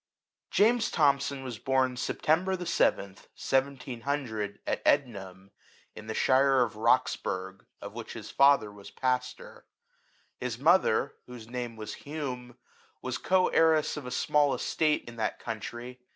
JAMES THOMSON was bom September the 7th, 1700, at Ednam, in the shire of Roxburgh, of which his father was pastor. His mother, whose name was Hume, was co heiress of a small estate in that country.